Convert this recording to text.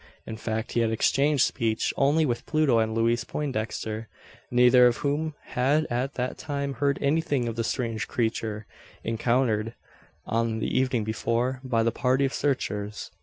In fact, he had exchanged speech only with Pluto and Louise Poindexter; neither of whom had at that time heard anything of the strange creature encountered, on the evening before, by the party of searchers.